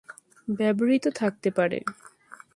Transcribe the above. ব্যবহৃত থাকতে পারে।